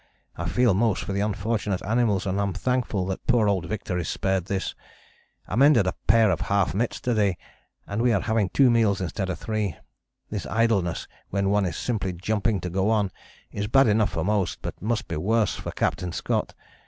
I feel most for the unfortunate animals and am thankful that poor old Victor is spared this. I mended a pair of half mitts to day, and we are having two meals instead of three. This idleness when one is simply jumping to go on is bad enough for most, but must be worse for Captain Scott.